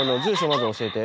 まず教えて。